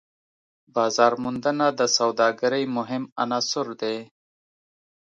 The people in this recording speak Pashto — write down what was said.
بازارموندنه د سوداګرۍ مهم عنصر دی.